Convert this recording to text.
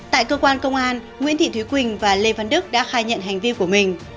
tại cơ quan công an nguyễn thị thúy quỳnh và lê văn đức đã khai nhận hành vi của mình